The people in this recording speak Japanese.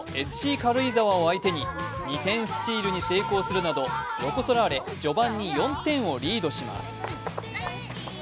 軽井沢を相手に２点スチールに成功するなどロコ・ソラーレ、序盤に４点をリードします。